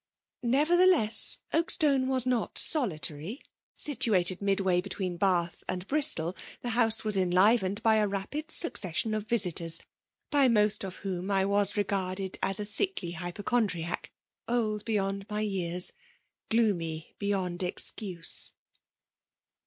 Neverthdesa Oakstone was not soKtary; situated midway between Bath and Bristol^ the house was en* UVened by a rapid succession of visitors* by nK>8t of whom I was regarded as a sickly hypo* chondriac> old beyond my ycars^ gloomy beyoad excuse.